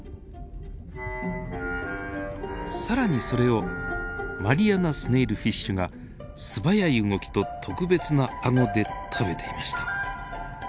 更にそれをマリアナスネイルフィッシュが素早い動きと特別な顎で食べていました。